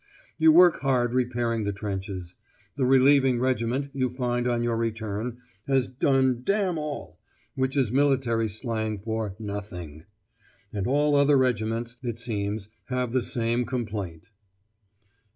You work hard repairing the trenches: the relieving regiment, you find on your return, has done 'damn all,' which is military slang for 'nothing.' And all other regiments, it seems, have the same complaint.